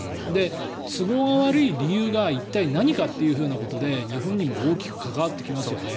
都合が悪い理由が一体、何かということで日本にも大きく関わってきますよね。